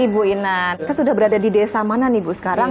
ibu inan kan sudah berada di desa mana nih bu sekarang